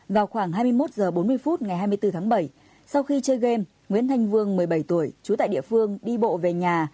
vào khoảng hai mươi một h bốn mươi phút ngày hai mươi bốn tháng bảy sau khi chơi game nguyễn thanh vương một mươi bảy tuổi trú tại địa phương đi bộ về nhà